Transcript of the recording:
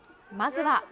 まずは。